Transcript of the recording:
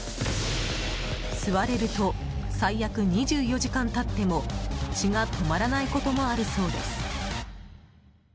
吸われると最悪２４時間経っても血が止まらないこともあるそうです。